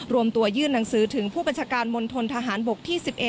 รวมตัวยื่นหนังสือถึงผู้บัญชาการมณฑนทหารบกที่๑๑